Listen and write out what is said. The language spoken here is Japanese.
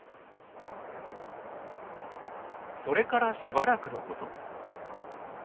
それからしばらくのこと。